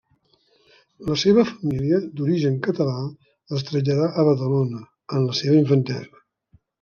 La seva família, d'origen català, es traslladà a Badalona en la seva infantesa.